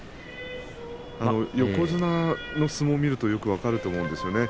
横綱の相撲を見るとよく分かると思うんですよね。